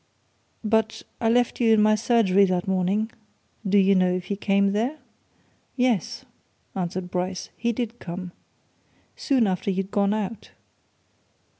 But I left you in my surgery that morning. Do you know if he came there?" "Yes!" answered Bryce. "He did come. Soon after you'd gone out."